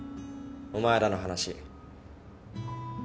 お前らの話。